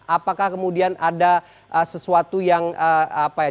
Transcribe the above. apakah kemudian ada sesuatu yang apa ya di koordinasi